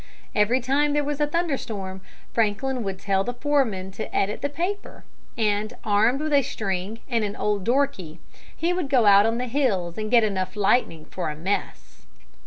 Every time there was a thunderstorm Franklin would tell the foreman to edit the paper, and, armed with a string and an old door key, he would go out on the hills and get enough lightning for a mess.